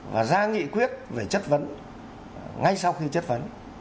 và ra nghị quyết về chất vấn ngay sau khi chất vấn